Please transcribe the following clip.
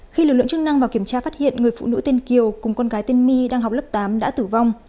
khi lực lượng chức năng vào kiểm tra phát hiện người phụ nữ tên kiều cùng con gái tên my đang học lớp tám đã tử vong